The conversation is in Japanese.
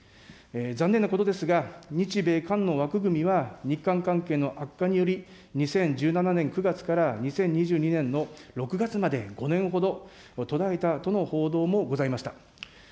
残念なことですが、日米韓の枠組みは日韓関係の悪化により、２０１７年９月から２０２２年の６月まで５年ほど、途絶えたとの報道もございました。